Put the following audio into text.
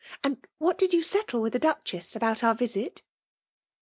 and what did you settle with the Dctehesb about our visit?'